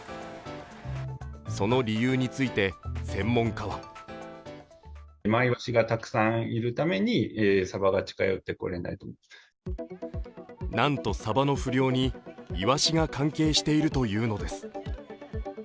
その理由について専門家はなんと、サバの不漁にイワシが関係しているというのです。